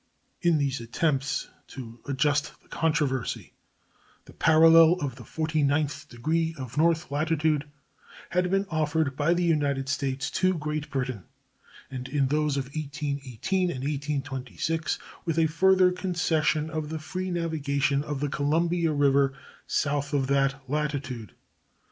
In these attempts to adjust the controversy the parallel of the forty ninth degree of north latitude had been offered by the United States to Great Britain, and in those of 1818 and 1826, with a further concession of the free navigation of the Columbia River south of that latitude.